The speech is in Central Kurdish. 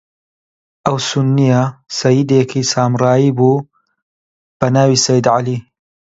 ئەو سوننییە سەییدێکی سامرایی بوو، بە ناوی سەیید عەلی